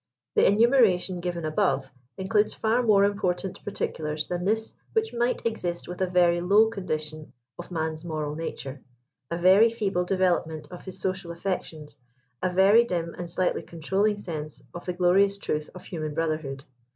The enumeration given above, includes far more important particulars than this which might exist with a very low condition of man's moral nature, a very feeble develope ment of his social affections, a very dim and slightly controlling ^nse of the glorious truth of human brotherhood.